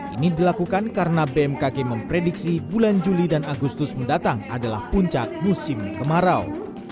ini dilakukan karena bmkg memprediksi bulan juli dan agustus mendatang adalah puncak musim kemarau